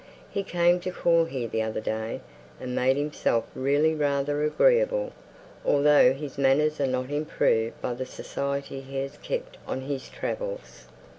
He came to call here the other day, and made himself really rather agreeable, although his manners are not improved by the society he has kept on his travels.